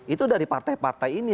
itu dari partai partai ini